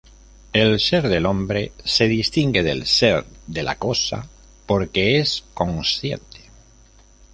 El ser del hombre se distingue del ser de la cosa porque es consciente.